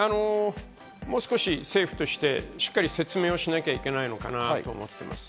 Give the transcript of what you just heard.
もう少し政府として、しっかり説明をしなくちゃいけないのかなと思っています。